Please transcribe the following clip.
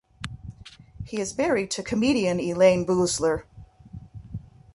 He is married to comedian Elayne Boosler.